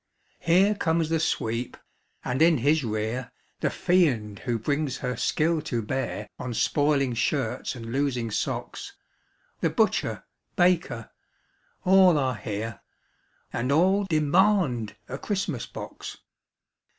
Here comes the sweep, and in his rear The fiend who brings her skill to bear On spoiling shirts and losing socks ; The butcher, baker ŌĆö ^all are here, And all demand a Christmas box.